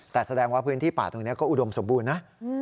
แต่แสดงว่าพื้นที่ป่าตรงนี้ก็อุดมสมบูรณ์นะ